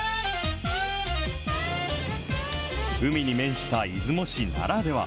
海に面した出雲市ならでは。